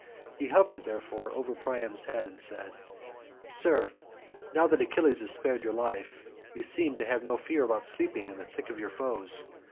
He hovered therefore over Priam's head and said, "Sir, now that Achilles has spared your life, you seem to have no fear about sleeping in the thick of your foes.